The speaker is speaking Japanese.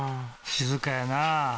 静かやなあ。